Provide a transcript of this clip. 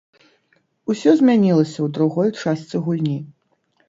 Усё змянілася ў другой частцы гульні.